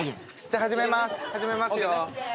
始めますよ。